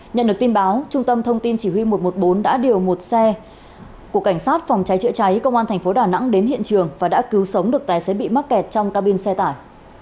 nhận được tin báo trung tâm thông tin chỉ huy một trăm một mươi bốn đã điều một xe của cảnh sát phòng cháy chữa cháy công an thành phố đà nẵng đến hiện trường và đã cứu sống được tài xế bị mắc kẹt trong cabin xe tải